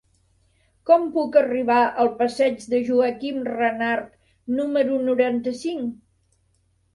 Com puc arribar al passeig de Joaquim Renart número noranta-cinc?